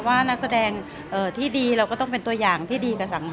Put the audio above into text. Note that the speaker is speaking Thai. ว่านักแสดงที่ดีเราก็ต้องเป็นตัวอย่างที่ดีกับสังคม